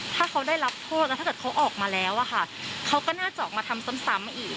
ถ้าเขาได้รับโทษแล้วถ้าเกิดเขาออกมาแล้วอะค่ะเขาก็น่าจะออกมาทำซ้ำอีก